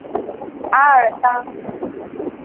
阿尔桑。